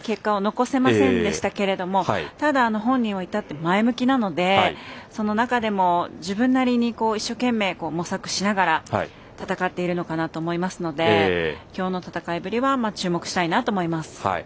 今大会入ってくる中でも前哨戦でも、あまり結果を残せませんでしたけれどもただ本人はいたって前向きなので、その中でも自分なりに一生懸命模索しながら戦っているのかなと思いますけどきょうの戦いぶりは注目したいなと思います。